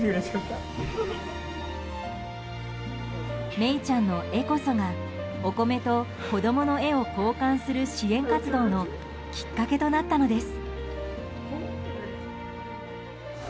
芽依ちゃんの絵こそがお米と子供の絵を交換する支援活動のきっかけとなったのです。